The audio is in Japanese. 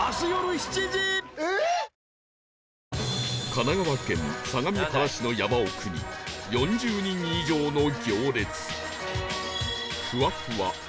神奈川県相模原市の山奥に４０人以上の行列